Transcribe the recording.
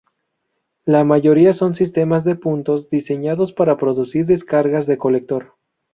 La mayoría son sistemas de puntos diseñados para producir descargas de colector.